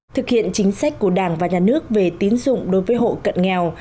thực hiện chính sách của đảng và nhà nước về tín dụng đối với hộ cận nghèo